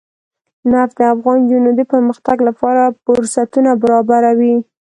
نفت د افغان نجونو د پرمختګ لپاره فرصتونه برابروي.